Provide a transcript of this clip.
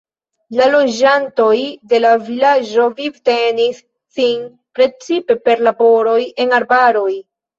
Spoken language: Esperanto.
La loĝantoj de la vilaĝo vivtenis sin precipe per laboroj en arbaroj.